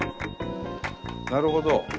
なるほど。